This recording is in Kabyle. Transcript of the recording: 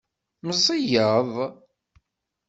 Meẓẓiyeḍ?